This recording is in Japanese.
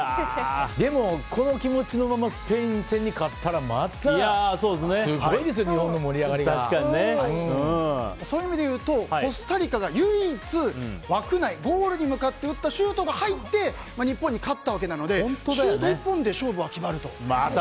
でもこの気持ちのままスペイン戦に勝ったらまた、すごいですよそういう意味で言うとコスタリカが唯一枠内、ゴールに向かったシュートが入って日本に勝ったわけなのでシュート１本で勝負は決まると。